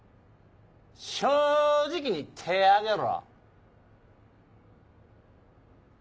正直に手ぇ挙げろ。